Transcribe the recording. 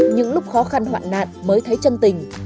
những lúc khó khăn hoạn nạn mới thấy chân tình